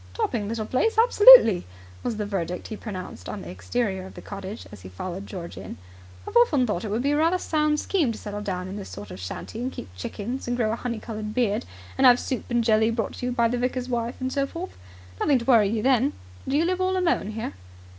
"Topping little place! Absolutely!" was the verdict he pronounced on the exterior of the cottage as he followed George in. "I've often thought it would be a rather sound scheme to settle down in this sort of shanty and keep chickens and grow a honey coloured beard, and have soup and jelly brought to you by the vicar's wife and so forth. Nothing to worry you then. Do you live all alone here?"